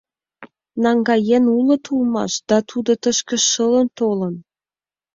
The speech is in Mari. — Наҥгаен улыт улмаш, да тудо тышке шылын толын.